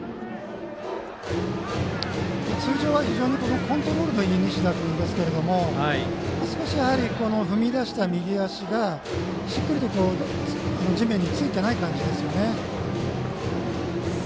通常は非常にコントロールのいい西田君ですけれども少し、踏み出した右足がしっかりと地面についてない感じですよね。